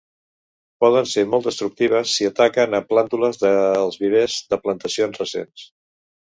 Poden ser molt destructives si ataquen a plàntules dels vivers o plantacions recents.